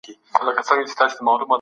راتلونکی تل نامعلوم او پټ وي.